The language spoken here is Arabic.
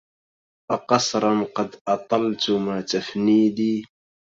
أقصرا قد أطلتما تفنيدي